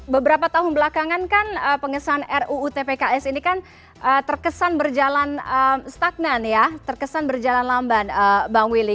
beberapa tahun belakangan kan pengesahan ruu tpks ini kan terkesan berjalan stagnan ya terkesan berjalan lamban bang willy